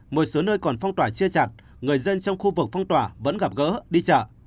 một số nơi còn phong tỏa chia chặt người dân trong khu vực phong tỏa vẫn gặp gỡ đi chợ